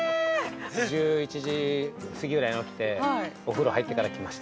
◆１１時過ぎぐらいに起きてお風呂入ってから来ました。